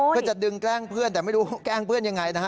เพื่อจะดึงแกล้งเพื่อนแต่ไม่รู้แกล้งเพื่อนยังไงนะฮะ